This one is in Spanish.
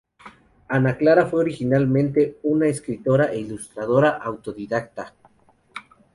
Anna Clara fue originalmente una escritora e ilustradora autodidacta.